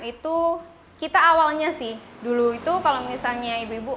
itu kita awalnya sih dulu itu kalau misalnya ibu ibu